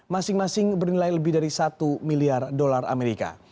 masing masing bernilai lebih dari satu miliar dolar amerika